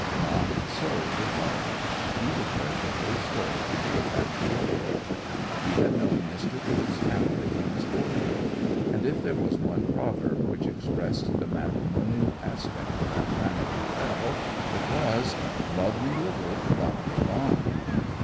Not so her father; he declared the whole story to be a fabrication. He had known Mr. Gould's family from his boyhood; and if there was one proverb which expressed the matrimonial aspect of that family well, it was 'Love me little, love me long.